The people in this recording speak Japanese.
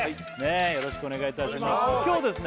よろしくお願いいたします今日ですね